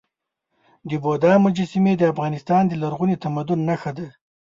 د بودا مجسمې د افغانستان د لرغوني تمدن نښه ده.